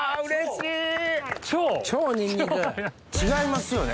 違いますよね？